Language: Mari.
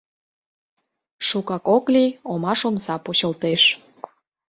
Шукак ок лий — омаш омса почылтеш.